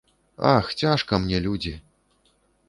Ах, цяжка мне, людзі!